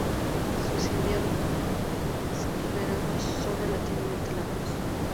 Sus inviernos y los veranos son relativamente largos.